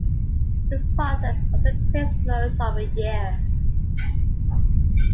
This process also takes most of a year.